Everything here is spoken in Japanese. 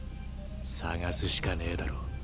探すしかねぇだろ